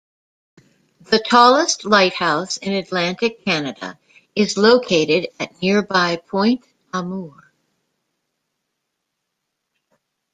The tallest lighthouse in Atlantic Canada is located at nearby Point Amour.